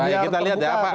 baik kita lihat ya pak